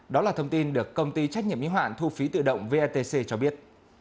đó là thông tin được công ty trách nhiệm nguyên hoạn thu phí tự động vatc cho biết